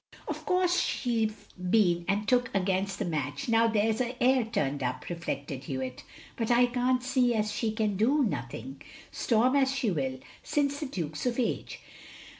" Of course she 've been and took against the match now there *s a heir turned up," reflected Hewitt. " But I can't see as she can do nothing, storm as she will, since the Duke 's of age.